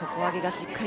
しっかり